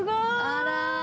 あら。